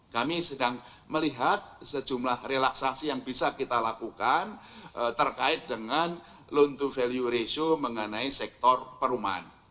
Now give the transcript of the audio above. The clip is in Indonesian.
kami sedang melihat sejumlah relaksasi yang bisa kita lakukan terkait dengan loan to value ratio mengenai sektor perumahan